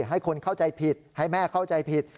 ให้คนเข้าใจผิดให้แม่เข้าใจผิด